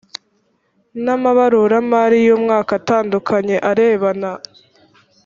n amabaruramari y umwaka atandukanye arebana